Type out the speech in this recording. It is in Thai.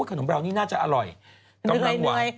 ขนมเรานี่น่าจะอร่อยกำลังหวาน